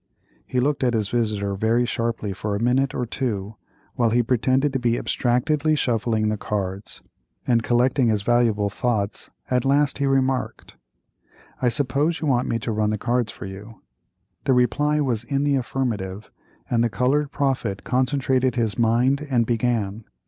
He looked at his visitor very sharply for a minute or two, while he pretended to be abstractedly shuffling the cards; and collecting his valuable thoughts, at last he remarked: "I s'pose you want me to run the cards for you?" The reply was in the affirmative, and the colored prophet concentrated his mind and began.